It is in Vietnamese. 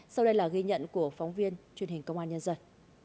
sau đây là ghi nhận của phóng viên truyền hình công an nhân dân